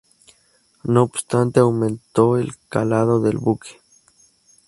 No obstante, aumentó el calado del buque.